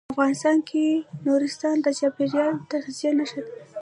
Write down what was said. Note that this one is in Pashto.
افغانستان کې نورستان د چاپېریال د تغیر نښه ده.